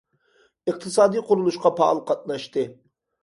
ئىقتىسادىي قۇرۇلۇشقا پائال قاتناشتى.